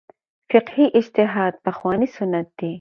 فقهي اجتهاد پخوانی سنت دی.